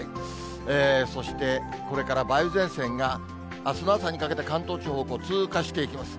そしてこれから梅雨前線があすの朝にかけて、関東地方を通過していきます。